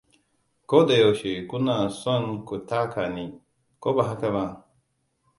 Ko da yaushe kuna son ku taka ni, ko ba haka ba?